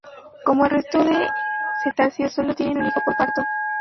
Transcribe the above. Como el resto de cetáceos, sólo tienen un hijo por parto.